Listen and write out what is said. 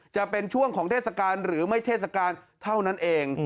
จะเป็นช่วงของเทศกาลหรือไม่เทศกาลเท่านั้นเอง